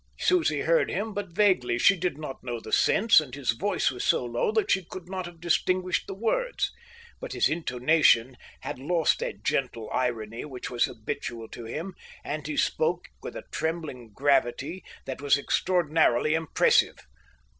Susie heard him but vaguely. She did not know the sense, and his voice was so low that she could not have distinguished the words. But his intonation had lost that gentle irony which was habitual to him, and he spoke with a trembling gravity that was extraordinarily impressive.